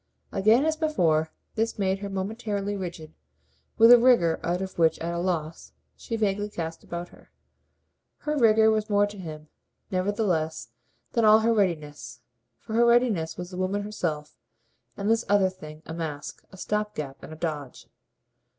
Again, as before, this made her momentarily rigid, with a rigour out of which, at a loss, she vaguely cast about her. Her rigour was more to him, nevertheless, than all her readiness; for her readiness was the woman herself, and this other thing a mask, a stop gap and a "dodge."